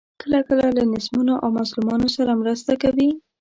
کله کله له نیستمنو او مظلومانو سره مرسته کوي.